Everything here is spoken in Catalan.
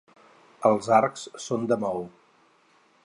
Els arcs són de maó.